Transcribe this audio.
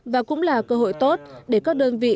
và cũng là cơ hội tốt để các đơn vị